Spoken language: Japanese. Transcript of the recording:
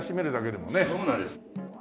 そうなんです。